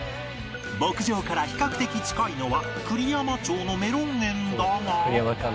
牧場から比較的近いのは栗山町のメロン園だが